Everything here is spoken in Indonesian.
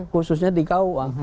khususnya di kaua